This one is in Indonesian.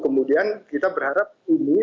kemudian kita berharap ini